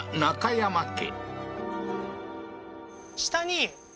山家